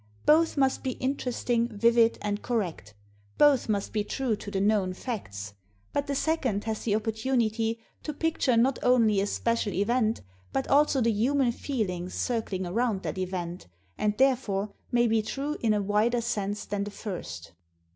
Both must be interesting, vivid, and correct. Both must be true to the known facts; but the second has the oppor xxviii INTRODUCTION tunity to picture not only a special event, but also the human feelings circling around that event, and therefore may be true in a wider sense than the first.